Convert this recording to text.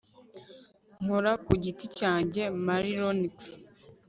Nkora ku giti cyanjye MarlonX